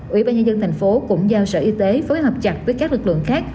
ủy ban nhân dân thành phố cũng giao sở y tế phối hợp chặt với các lực lượng khác